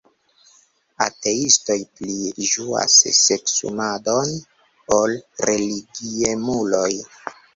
"Ateistoj pli ĝuas seksumadon ol religiemuloj."